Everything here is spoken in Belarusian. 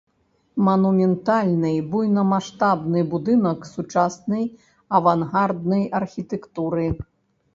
Манументальны буйнамаштабны будынак сучаснай авангарднай архітэктуры.